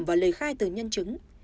và lời khai từ nhân chứng